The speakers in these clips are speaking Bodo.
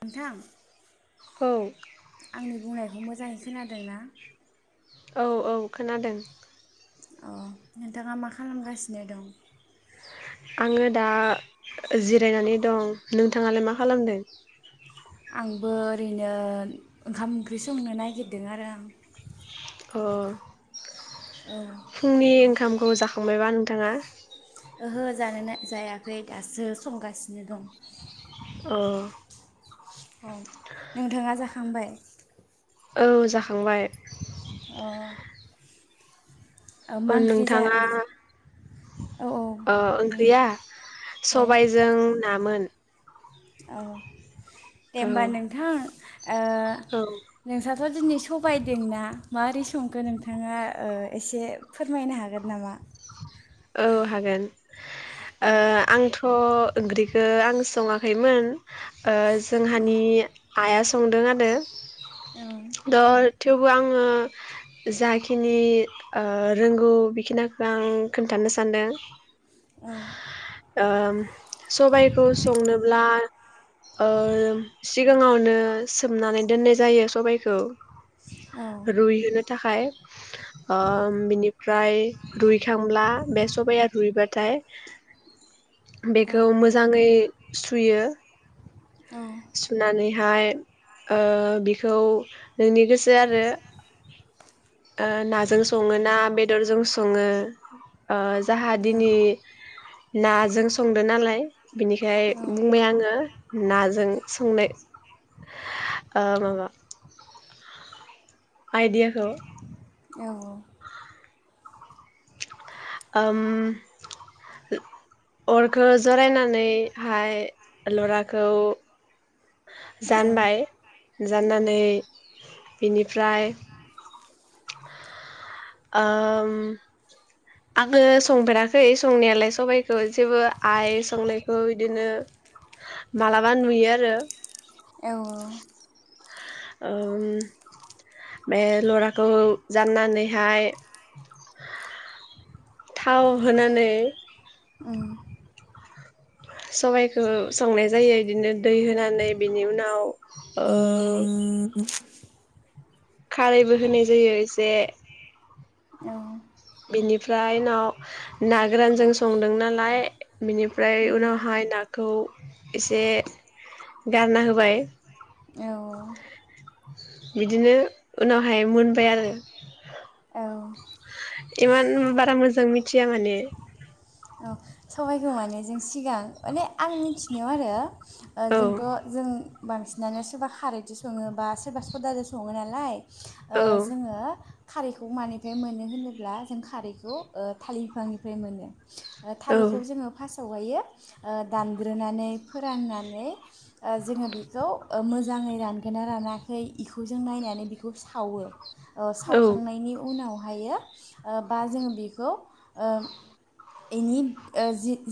नोंथां औ आंनि बुंनायखौ [unintelligible] मोजाङै खोनादोंना? औ औ खोनादों। अ नोंथाङा मा खालामगासिनो दं? आङो दा जिरायनानै दं नोंथाङालाय मा खालामदों? आंबो ओरैनो ओंखाम ओंख्रि संनो नागिरदों आरो आं। अ औ फुंनि ओंखाम। खौ जाखांबायबा नोंथांआ? ओहो जानोना जायाखै दासो संगासिनो दं। औ। अ नोंथांङा जाख। थांबाय। औ जाखांबाय। अ ओ मा ओंख्रि जा नोंथांआ औ औ अ बुं ओंख्रिया सबायजों ना मोन। औ औ। दे औ होमबा नोंथां ओ- औ नोंसाथ दिनै सबाय। दोंना मारै संखो नोंथांङा ओ-एसे फोरमायनो हागोन नामा? औ हागोन ओ ओ-आंथ ओंख्रिखो आं संङाखैमोन। ओ-जोंहानि आइआ संदों आरो। औ दल थेवबो आंङो जाखिनि ओ-रोंगौ बिखिनाखो आं। खोन्थानो सान्दों। औ ओम सबाइखौ संनोब्ला ओम-सिग। गाङावनो सोमनानै दोननाय जायो सबबायखौ। रुइहोना। थाखाय ओम- बिनिफ्राय रुइखाब ब्ला बे सबाया रुइबाथाय। बेखौ मोजांङै सुयो। सुनानै हाय ओ-बिखौ नोंनि गोसो आरो ओ-नाजों संङो ना बेदरजों संङो। [inaudible] ओ जाहा दिनै नाजों संदो नालाय बिनिखाय बुंबाय आंङो। नाजों संनाय ओ माबा आइडियाखौ औ औ ओम अरखो जरायनानैहाय लराखौ जानबाय जाननानै बिनिफ्राय ओम आंङो संफेराखै संनायालाय सबाइखौ जेबो आइ संनायखौ बिदिनो मालाबा नुयो आरो। औ औ ओ बे लराखौ जाननानैहाय थाव होनानै ओम सबाइखौ संनाय जायो इदिनो दै होनानै बेनि उनाव ओ खारैबो होनाय जायो एसे औ बेनिफ्राय उनाव ना गोरानजों संदों नालाय बिनिफ्राय उनावहाय नाखौ एसे गारना होबाय बिदिनो उनावहाय मोनबाय आरो औ इमान बारा मोजां मिथिया माने औ सबाइखौ माने जों सिगां माने आं मिथिनायाव आरो ओ औ जोंथ' जों बांसिनानो सोरबा खारैजों सङो बा सोरबा सदाजों सङो नालाय ओ औ जोङो खारैखौ मानिफ्राय मोनो होनोब्ला जों खारैखौ ओ थालिर बिफांनिफ्राय मोनो [inaudible] आरो औ थालिरखौ जोङ फास्ट होयो ओ दानग्रोनानै फो फोराननानै ओ जोङो बेखौ मोजाङै रानगोना रानाखै इखौ जों नायनानै बिखौ सावो ओ सावखांनायनि उनाव दायो ओ बा जोङो बेखौ ओम एनि ओ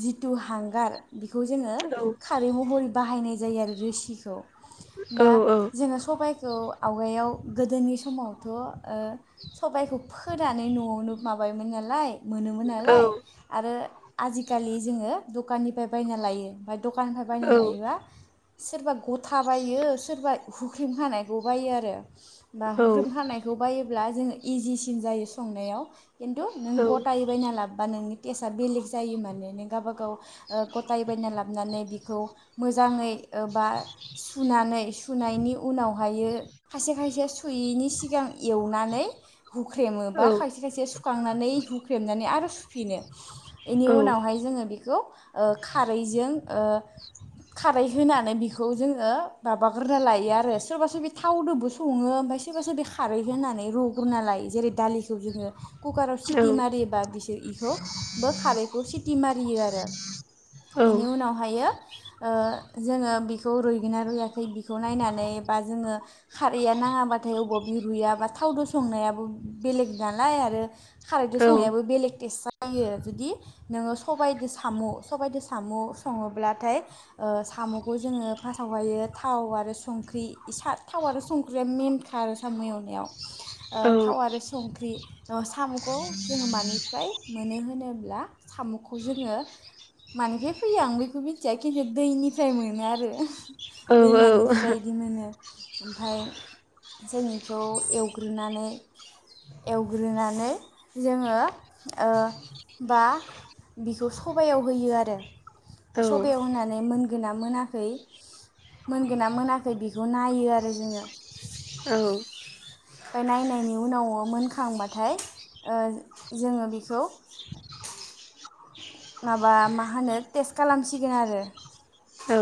जिथु हांगार बेखौ जोङो औ खारै महरै बाहायनाय जायो आरो रोसिखौ औ बा जोङो सबाय खौ आवगायाव गोदोनि समावथ' ओ सबायखौ फोनानै न'आवनो माबायमोन नालाय मोनोमोन औ नालाय। आरो आजिखालि जोङो दखाननिफ्राय बायना लायो। फाय दखाननिफ्राय बायना औ लायोबा सोरबा गथ थाबायो सोरबा। ख्रुम हानायखौ बायो आरो बा औ हुख्रेम औ खानायखौ बायो। अब्ला जोङो इजिसिम जायो संनायाव। खिन्थु नों गथायै बायना लाब। बा नोंनि। केेसा बेलेग जायो माने नों गावबा गाव गथायै बायना लाबोनानै बिखौ मोजाङै बा सुनानै सुनायनि उनावहायो खायसे खायसे सुयैनि सिगां एवनानै हुख्रेमो बा खायसे खायसे सुखांनानै हु बेनि उनावहाय जोङो बेखौ ओ खारैजों खारै होनानै बेखौ जोङो माबाग्रोना लायो आरो सोरबा सोरबि बे थावजोंबो सङो ओमफ्राय सोरबा सोरबि खा कुकाराव सिथि मारियोबा बिसोर इखौ बो खारैखौ सिथि मारियो आरो बेनि उनावहायो ओ जोङो बेखौ रुइगोनना रुइयाखै बिखौ नायनानै बा जोङो खारैया नाङाबाथाय अबब बि रुयाबा थावदो संनायाबो बेलेग नालाय आरो। खारैदो संनायाबो बेलेग ऐसा जायो जुदि नोङो सबायाइजों साम' सबायाइजों साम' सङोब्लाथाय ओ साम'खौ जोङो फार्स्टआवहाय थाव आरो संख्रि थाव आरो संख्रिया मेेनखा आरो साम' एवनायाव थाव आरो संख्रि साम'खौ जोङो मानिफ्राय मानो होनोब्ला साम'खौ जोङो मानिफ्राय फैयो आं बेखौ मिथिया खिन्थु दैनिफ्राय मोनो आरो दैमानिफ्राय बिदि मोनो। ओमफ्राय जों बेखौ एवग्रोनानै एवग्रोनानै जोङो ओ बा बिखौ सबायाव होयो आरो। ओमफाय सबयाव होनानै मोनगोना? मोनाखै मोनगोन ना मोनाखै बेखौ नायो आरो जोङो। औ। ओमफाय नायनायनि उनाव मोनखांबाथाय ओ जोङो बेखौ माबा मा होनो टेस्ट खालामसिगोन आरो। औ।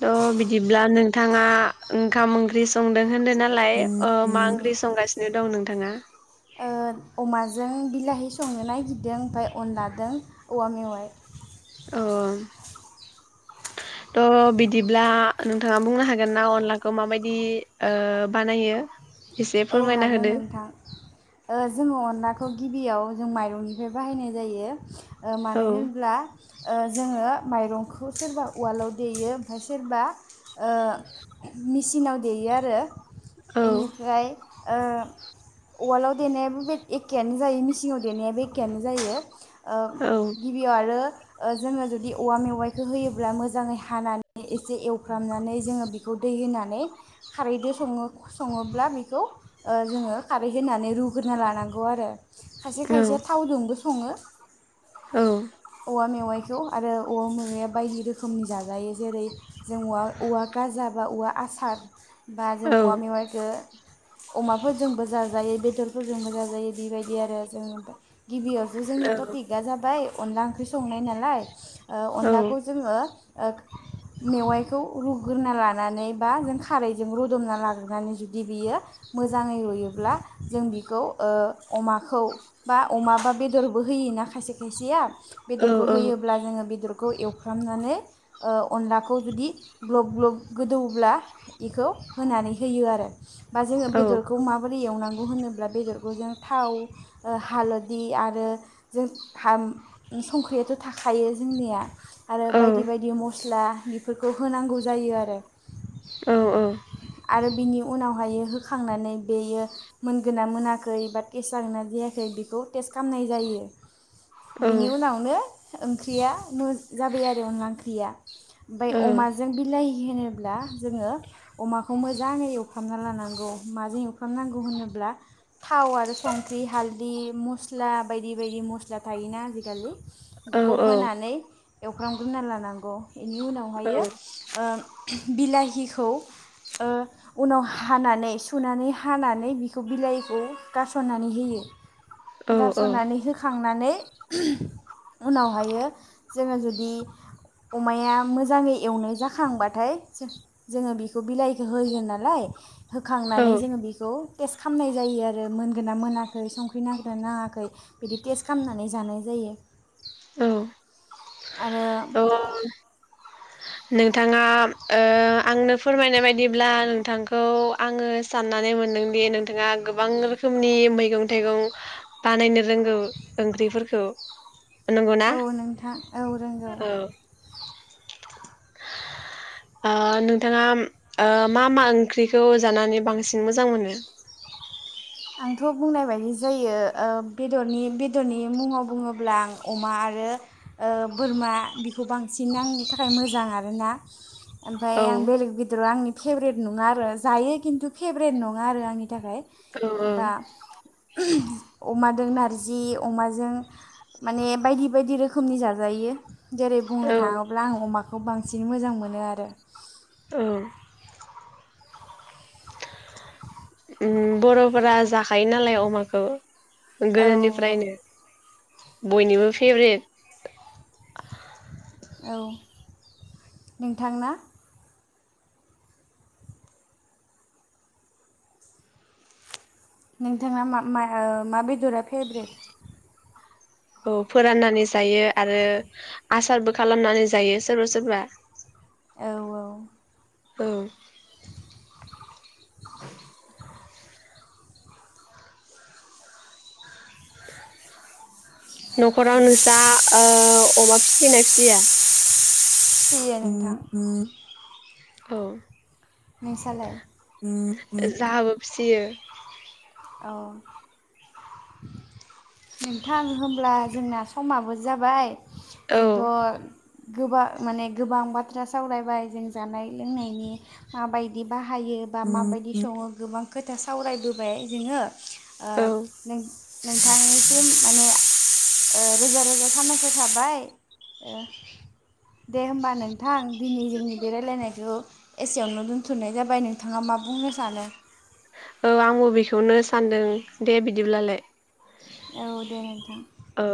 थ' बिदिब्ला नोंथाङा ओंखाम ओंख्रि संदों होनदों नालाय ओ मा औ ओंख्रि संगासिनो दं नों? थाङा ओ अमा ज जों बिलाहि संनो नागिरदों ओमफ्राय अनलादों औवा मेवाइ। अ थ' बिदिब्ला नोंथाङा बुंनो हागोन ना अनलाखौ माबायदि ओ बानायो? एसे औ फोरमायना हागोन होदो नोंथां ओ जोङो अनलाखौ गिबियाव जों माइरंनिफ्राय बाहायनाय जायो। ओ औ मानो होनब्ला ओ जोङो माइरंखौ सोरबा उवालाव देयो ओमफ्राय सोरबा ओ मेसिनाव देयो आरो। औ इनिफ्राय ओ उवालाव देनायाबो बे एकेयानो जायो मेसिनाव देनायाबो एकेआनो जायो। ओ औ गिबियाव आरो ओ जोङो जुदि औवा मेवाइखौ होयोब्ला मोजाङै हानानै एसे एवफ्रामनानै जोङो बेखौ दै होनानै खारैदो सङो सङोब्ला बेखौ ओ जोङो खारै होनानै रुग्रोना लानांगौ आरो। खायसे औ खायसेया थाव दोंबो सं सङो। औ औवा मेवाय। खौ आरो औवा माया बायदि रोखोमनि जाजायो जेरै जों औवा गाजा बा औवा आसार बा जों औ औवा मेवाइखो अमाफोरजोंबो जाजायो बेदरफोरजोंबो जाजायो बेबायदि आरो जों ओमफाय। गिबियावसो जोंनि टपिकआ जाबाय अनला ओंख्रि संनाय नालाय ओ औ अनलाखौ जोङो ओ मेवाइखौ रुग्रोना लानानै बा खारैजों रुदुमना लाग्रोनानै जुदि बियो मोजाङै रुयोब्ला जों बिखौ ओ अमाखौ बा अमा बा बेदरबो होयोना खायसे खायसेया औ बेदरखौ होयोब्ला जोङो बेदर खौ एवफ्रामनानै ओ अनलाखौ जुदि ग्लब ग्लब गोदौब्ला बेखौ होनानै होयो आरो। बा जोङो औ बेदरखौ माबोरै एवनां गौ होनोब्ला बेदरखौ जों थाव ओ हालदि आरो जों संख्रियाथ' थाखायो जोंनिया। आरो बायदि बायदि म स्ला बेफोरखौ होनांगौ जायो आरो औ औ आरो बिनि उनावहायो होखांनानै बेयो मोनगोना मोनाखै बा गेस जागोना जायाखै बेखौ टेस्ट खालामनाय जायो बिनि उनावनो ओंख्रिया मो जाबाय आरो अनला ओंख्रिया ओमफाय अमाजों बिलाइ होनो ब्ला जोङो अखौ मोजाङै एवफ्रामना लानानै गौ माजों एवफ्रामनांगौ होनोब्ला थाव आरो संख्रि हालदै मस्ला बायदि बायदि मस्ला थायोना आजिखालि औ बेखौ होनानै एवफ्रामग्रोना लानांगौ बेनि उनावहायो ओ बिलाहिखौ उनाव हानानै सुनानै हानानै बिखौ बिलाइखौ गासननानै होयो गारस'नानै होखांनानै उनावहायो जोङो जुदि अमाया मोजाङै एवनाय जाखांबाथाय जोङो बेखौ बिलाइखौ होगोन नालाय होखांनानै जोङो बेखौ टेस्ट खालामनाय जायो आरो मोनगोना मोनाखै संख्रि नांगोरा नाङाखै बिदि टेस्ट खालामनानै जानाय जायो औ औ अ आरो नोंथाङा ओ आंनो फोरमायनाय बायदिब्ला नोंथांखौ आङो साननानै मोनदोंदि नोंथाङा गोबां रोखोमनि मैगं थाइगं बानायनो रोंगौ ओंख्रिफोरखौ नंगौना औ नोंथां औ रोंगौ औ [unintelligible] ओ नोंथाङा मा मा ओंख्रिखौ जानानै बांसिन मोजां मोनो? आंथ' बुंनाय बायदि जायो ओ बेदरनि बेदरनि मुङाव बुङोब्ला आं अमा आरो बोरमा बिखौ बांसिन आंनि थाखाय मोजां आरोना ओमफ्राय औ आं बेलेग गदिराव आंनि फेभ्रेट नङा आरो जायो खिन्थु फेभारेट नङा आरो आंनि थाखाय औ बा अमाजों नारजि अमाजों माने बायदि बायदि रोखोमनि जाजायो जेरै बुंनो औ थाङोब्ला आं अमाखौ बांसिन मोजां मोनो आरो औ उम बर'फोरा जाखायो नालाय अमाखौ औ गोदोनिफ्रायनो बयनिबो फेभरेट औ नोंथांना? नोंथाङा म मा बेदरा फेभरेट औ फोराननानै जायो आरो आसारबो खालामनानै जायो सोरबा सोरबा औ औ औ [inaudible] नखराव नोंसा ओ अमा फिसियोना फिसिया? ए आरो नोंथां औ नोंसालाय? [unintelligible] जाहाबो [unintelligible] [inaudible] औ नोंथां होब्ला जोंना समाबो जाबाय औ जोंथ गोबां माने गोबां बाथ्रा सावरायबाय जों जानाय लोंनायनि माबायदि बाहायो बा माबायदि संङो गोबां खोथा सावरायबोबाय जोंङो ओ औ नों नोंथांनिसिम माने रोजा रोजा साबायख थाबाय दे होमबा नोंथां दिनै जोंनि बेरायायलायनायखौ एसेयावनो दोन्थनाय जाबाय नोंथाङा मा बुंनो सानो? औ आंबो बेखौनो सानदों दे बिदिब्लालाय औ दे नोंथां औ।